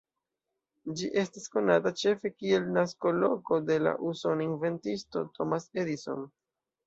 Ĝi estas konata ĉefe kiel naskoloko de la usona inventisto Thomas Edison.